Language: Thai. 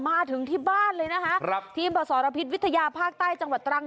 มาถึงที่บ้านเลยนะคะครับทีมบสรพิษวิทยาภาคใต้จังหวัดตรัง